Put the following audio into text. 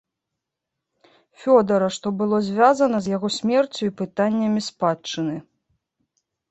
Фёдара, што было звязана з яго смерцю і пытаннямі спадчыны.